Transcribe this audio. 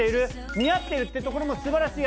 見合ってるってところも素晴らしい。